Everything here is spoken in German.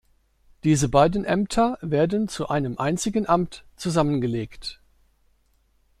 Diese beiden Ämter werden zu einem einzigen Amt zusammengelegt.